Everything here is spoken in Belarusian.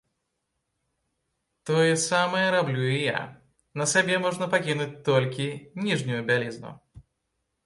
Тое самае раблю і я, на сабе можна пакінуць толькі ніжнюю бялізну.